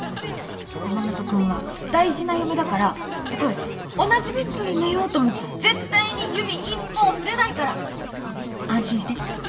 山本君は大事な嫁だからたとえ同じベッドに寝ようとも絶対に指一本触れないから安心して。